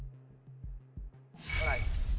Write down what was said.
เท่าไหร่